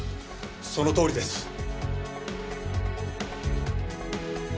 そのとおりです。